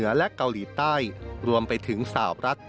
การพบกันในวันนี้ปิดท้ายด้วยการรับประทานอาหารค่ำร่วมกัน